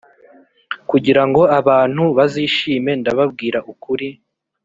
kugira ngo abantu bazishime ndababwira ukuri